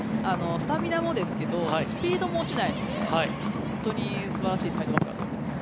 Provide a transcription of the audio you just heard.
スタミナもですけどスピードも落ちないので本当に素晴らしいサイドバックだと思います。